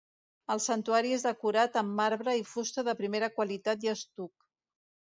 El santuari és decorat amb marbre i fusta de primera qualitat i estuc.